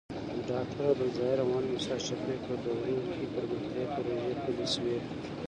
د ډاکټر عبدالظاهر او محمد موسي شفیق په دورو کې پرمختیايي پروژې پلې شوې.